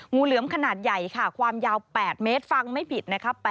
งูเหลือมขนาดใหญ่ค่ะความยาว๘เมตรฟังไม่ผิดนะครับ